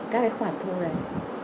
các cái khoản thu này